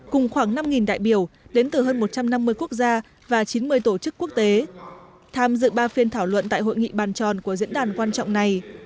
cùng khoảng năm đại biểu đến từ hơn một trăm năm mươi quốc gia và chín mươi tổ chức quốc tế tham dự ba phiên thảo luận tại hội nghị bàn tròn của diễn đàn quan trọng này